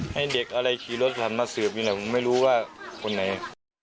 ให้เด็กอะไรขี่รถถังมาเสือบอยู่นะครับไม่รู้ว่าคนไหน